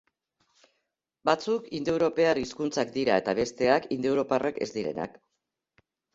Batzuk indoeuropar hizkuntzak dira eta besteak indoeuroparrak ez direnak.